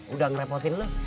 udah ngerepotin lo